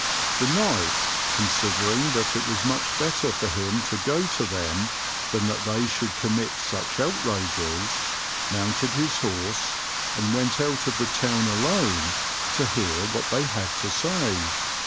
The knight, considering that it was much better for him to go to them than that they should commit such outrages, mounted his horse and went out of the town alone to hear what they had to say.